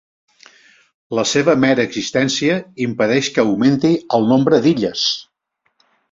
La seva mera existència impedeix que augmenti el nombre d'illes.